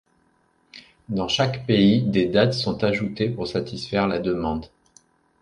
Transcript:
Dans chaque pays, des dates sont ajoutées pour satisfaire la demande.